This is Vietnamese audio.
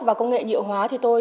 và công nghệ nhựa hóa thì tôi